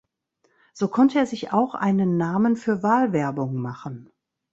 So konnte er sich auch einen Namen für Wahlwerbung machen.